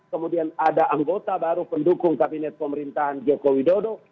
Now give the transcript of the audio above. kemudian ada anggota baru pendukung kabinet pemerintahan joko widodo